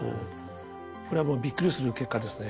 これはもうびっくりする結果ですね。